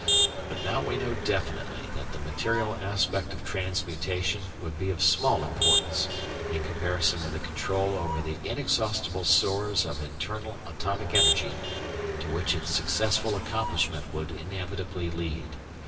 But now we know definitely that the material aspect of transmutation would be of small importance in comparison with the control over the inexhaustible stores of internal atomic energy to which its successful accomplishment would inevitably lead.